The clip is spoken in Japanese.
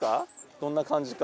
どんな感じか。